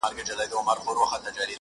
چي استاد یې وو منتر ورته ښودلی!.